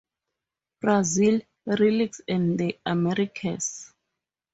Brazil, Lyric, and the Americas.